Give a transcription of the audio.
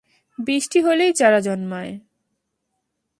বৃষ্টি হলেই, চারা জন্মায়।